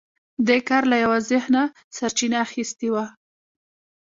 دې کار له یوه ذهنه سرچینه اخیستې وه